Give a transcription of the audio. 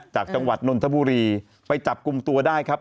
จากจังหวัดนนทบุรีไปจับกลุ่มตัวได้ครับ